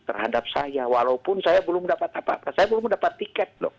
terhadap saya walaupun saya belum dapat apa apa saya belum mendapat tiket loh